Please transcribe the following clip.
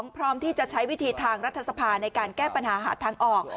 พร้อมที่จะใช้วิธีทางรัฐสภาในการแก้ปัญหาหาทางออก